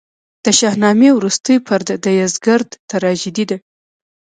د شاهنامې وروستۍ پرده د یزدګُرد تراژیدي ده.